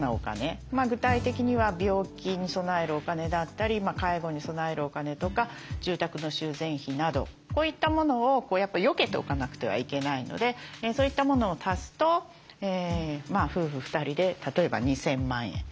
具体的には病気に備えるお金だったり介護に備えるお金とか住宅の修繕費などこういったものをよけておかなくてはいけないのでそういったものを足すと夫婦２人で例えば２，０００万円。